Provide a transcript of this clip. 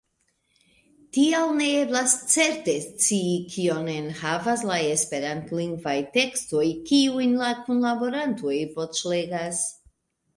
Tial ne eblas certe scii, kion enhavas la esperantlingvaj tekstoj, kiujn la kunlaborantoj voĉlegas.